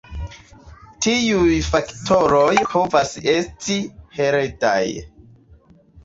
Tiuj faktoroj povas esti heredaj.